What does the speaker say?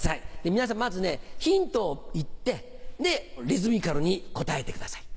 皆さんまずねヒントを言ってでリズミカルに答えてください。